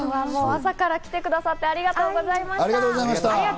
朝から来てくださって、ありがとうございました。